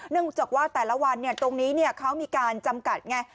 เนื่องจากว่าแต่ละวันเนี่ยตรงนี้เนี่ยเขามีการจำกัดไง